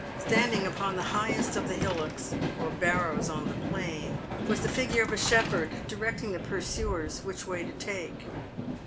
Standing upon the highest of the hillocks, or barrows on the plain, was the figure of a shepherd, directing the pursuers which way to take.